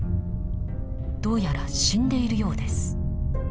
どうやら死んでいるようです。